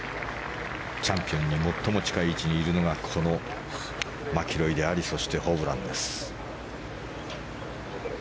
チャンピオンに最も近い位置にいるのはこのマキロイでありそして、ホブランです。